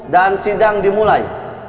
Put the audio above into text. dan sidang dimulai